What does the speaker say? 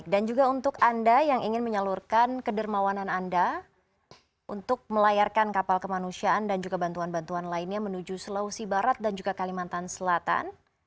dan juga untuk anda yang ingin menyalurkan kedermawanan anda untuk melayarkan kapal kemanusiaan dan juga bantuan bantuan lainnya menuju sulawesi barat dan juga kalimantan selatan